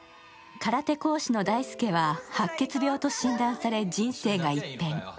空手講師の大介は白血病と診断され人生が一変。